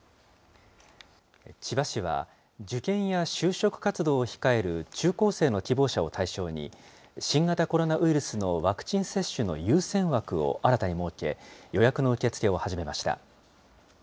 千葉市は、受験や就職活動を控える中高生の希望者を対象に、新型コロナウイルスのワクチン接種の優先枠を新たに設け、予約の受け付けを始めました。